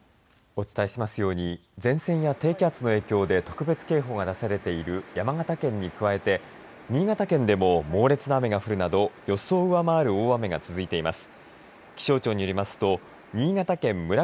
お伝えしていますように前線や低気圧の影響で特別警報が出されている山形県に加えて新潟県でも猛烈な雨が降るなど予想を上回る大雨が続いています。